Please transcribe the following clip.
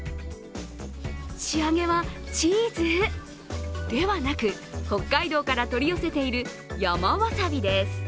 仕上げはチーズ？ではなく、北海道から取り寄せている山わさびです。